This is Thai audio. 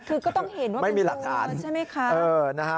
คือก็ต้องเห็นว่าเป็นดูดใช่ไหมคะ